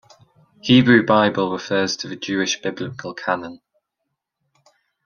Hebrew Bible refers to the Jewish biblical canon.